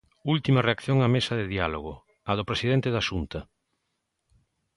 Última reacción á mesa de diálogo, a do presidente da Xunta.